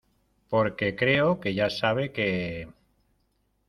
porque creo que ya sabe que